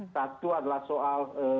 satu adalah soal